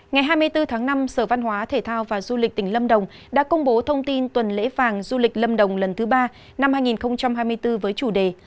ngày hai mươi bốn tháng năm sở văn hóa thể thao và du lịch tỉnh lâm đồng đã công bố thông tin tuần lễ vàng du lịch lâm đồng lần thứ ba năm hai nghìn hai mươi bốn với chủ đề